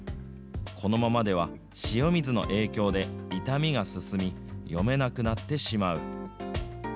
このままでは、塩水の影響で傷みが進み、読めなくなってしまう。